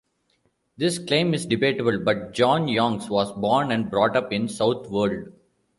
This claim is debatable, but John Youngs was born and brought up in Southwold.